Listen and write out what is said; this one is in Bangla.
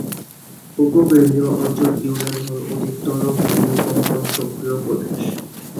উপকেন্দ্রিয় অঞ্চল ইউনান হল অধিকতর ভূ-কম্পন সক্রিয় প্রদেশ।